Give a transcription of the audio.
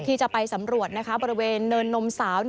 ที่จะไปสำรวจบริเวณเนินนมสาว